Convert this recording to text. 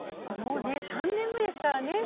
もうね３年目ですからね先生。